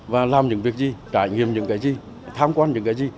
và làm những việc gì trải nghiệm những cái gì tham quan những cái gì